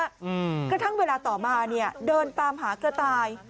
อืมกระทั่งเวลาต่อมาเนี้ยเดินตามหากระต่าย